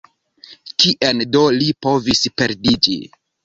Kien do li povis perdiĝi?